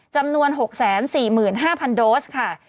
จำนวน๖๔๕๐๐โดสค่ะ